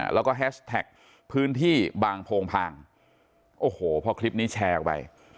แล้วก็แฮชแท็กพื้นที่บางโพงพางโอ้โหพอคลิปนี้แชร์ออกไป